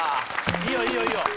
いいよいいよいいよ。